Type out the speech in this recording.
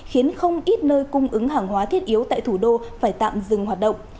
khiến không ít nơi cung ứng hàng hóa thiết yếu tại thủ đô phải tạm dừng hoạt động